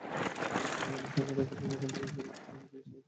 যন্ত্রপাতির সংকট থাকায় এখান থেকে ফিরে গিয়ে সেবা নিচ্ছেন বেসরকারি হাসপাতালে।